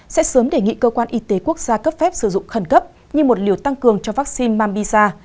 sẽ sớm đề nghị cơ quan y tế quốc gia cấp phép sử dụng khẩn cấp như một liều tăng cường cho vaccine mambisa